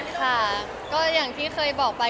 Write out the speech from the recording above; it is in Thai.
ค่ะก็อย่างที่เคยบอกไป